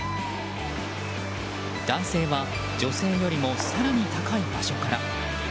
男性は女性よりも更に高い場所から。